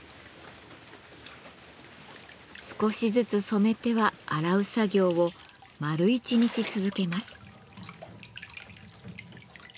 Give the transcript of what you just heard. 少しずつ染めては洗う作業を丸一日続けます。